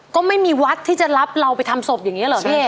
ก็ไม่มีวัดที่จะรับเราไปทำศพอย่างนี้เหรอพี่